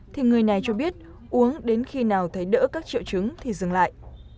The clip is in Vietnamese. thì người này cho biết uống đến khi nào thấy đỡ các triệu chứng thì dừng lại